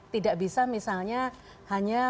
tidak bisa misalnya hanya